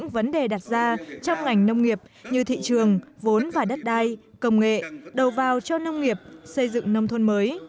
và trong ngành nông nghiệp như thị trường vốn và đất đai công nghệ đầu vào cho nông nghiệp xây dựng nông thôn mới